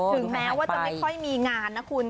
ถึงแม้ว่าจะไม่ค่อยมีงานนะคุณ